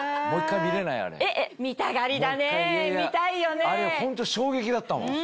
もう一回あれホント衝撃だったもん。